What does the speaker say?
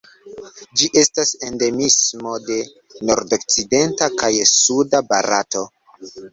Ĝi estas endemismo de nordokcidenta kaj suda Barato.